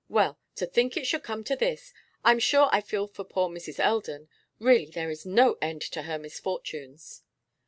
'Well, to think it should come to this! I'm sure I feel for poor Mrs. Eldon. Really there is no end to her misfortunes.